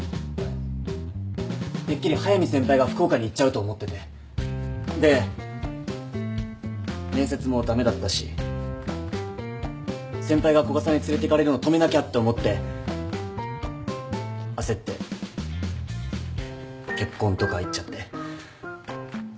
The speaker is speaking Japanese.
てっきり速見先輩が福岡に行っちゃうと思っててで面接も駄目だったし先輩が古賀さんに連れてかれるの止めなきゃって思って焦って結婚とか言っちゃって。